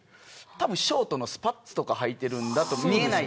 たぶんショートのスパッツとかはいてるんだと思います。